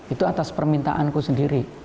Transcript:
itu atas permintaanku sendiri